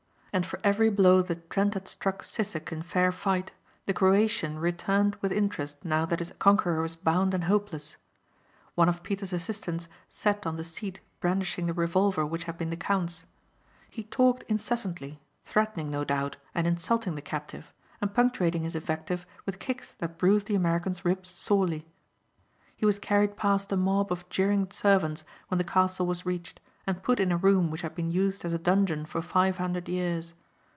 And for every blow that Trent had struck Sissek in fair fight the Croatian returned with interest now that his conqueror was bound and hopeless. One of Peter's assistants sat on the seat brandishing the revolver which had been the count's. He talked incessantly, threatening no doubt and insulting the captive, and punctuating his invective with kicks that bruised the American's ribs sorely. He was carried past a mob of jeering servants when the castle was reached and put in a room which had been used as a dungeon for five hundred years.